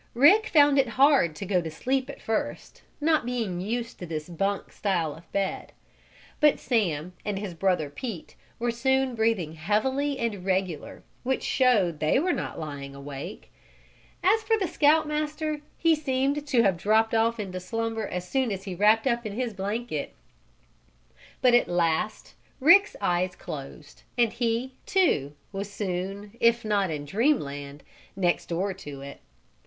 Rick found it hard to go to sleep at first, not being used to this bunk style of bed. But Sam and his brother Pete were soon breathing heavily and regular, which showed they were not lying awake. As for the Scout Master, he seemed to have dropped off into slumber as soon as he wrapped up in his blanket. But at last Rick's eyes closed and he, too, was soon, if not in Dreamland, next door to it.